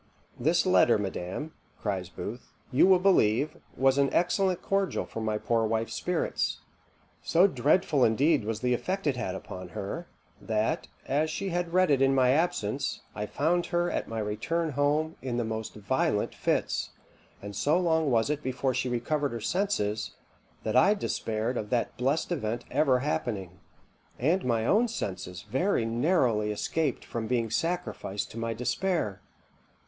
"This letter, madam," cries Booth, "you will believe, was an excellent cordial for my poor wife's spirits. So dreadful indeed was the effect it had upon her, that, as she had read it in my absence, I found her, at my return home, in the most violent fits; and so long was it before she recovered her senses, that I despaired of that blest event ever happening; and my own senses very narrowly escaped from being sacrificed to my despair.